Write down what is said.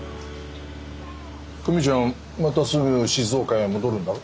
久美ちゃんまたすぐ静岡へ戻るんだろ？